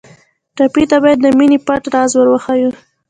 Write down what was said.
ټپي ته باید د مینې پټ راز ور وښیو.